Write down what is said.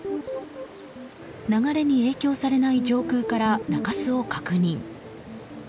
流れに影響されない上空から中州を確認。